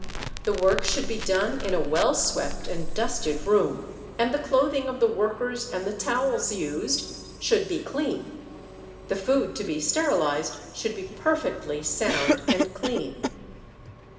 The work should be done in a well swept and dusted room, and the clothing of the workers and the towels used should be clean. The food to be sterilized should be perfectly sound and clean.